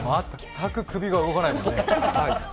全く首が動かないもんね。